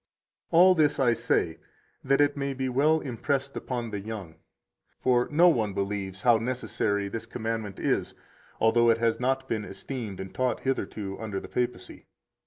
140 All this I say that it may be well impressed upon the young. For no one believes how necessary this commandment is, although it has not been esteemed and taught hitherto under the papacy.